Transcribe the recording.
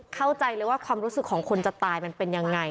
เข้าใจเลยว่าความรู้สึกของคนจะตายมันเป็นยังไง